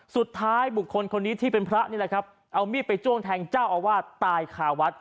สุดท้ายบุคคลคนนี้ที่เป็นพระนี่แหละครับเอามีดไปจ้วงแทงเจ้าอาวาสตายคาวัด